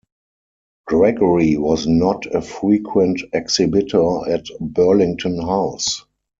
Gregory was not a frequent exhibitor at Burlington House.